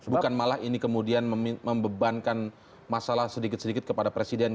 bukan malah ini kemudian membebankan masalah sedikit sedikit kepada presiden